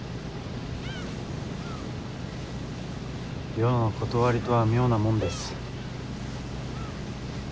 世のことわりとは妙なもんです。